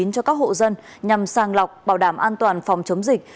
cho các hộ dân nhằm sang lọc bảo đảm an toàn phòng chống dịch